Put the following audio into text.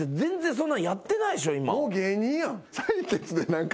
・もう芸人やん。